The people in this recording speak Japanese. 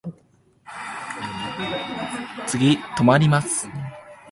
次止まります。